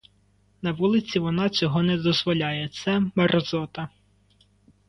На вулиці вона цього не дозволяє, це — мерзота.